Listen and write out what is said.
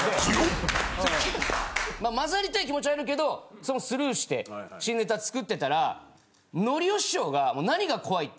混ざりたい気持ちはあるけどそれもスルーして新ネタ作ってたらのりお師匠がもう何が怖いって。